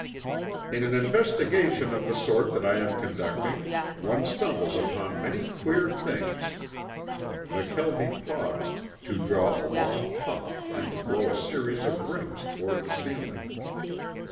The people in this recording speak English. "In an investigation of the sort that I am conducting one stumbles upon many queer things." McKelvie paused to draw a long puff and to blow a series of rings toward the ceiling.